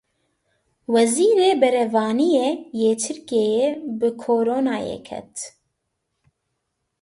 Wezîrê Berevaniyê yê Tirkiyeyê bi Coronayê ket.